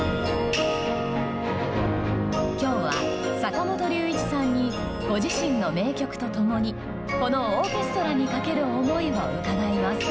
今日は坂本龍一さんにご自身の名曲と共にこのオーケストラにかける思いを伺います。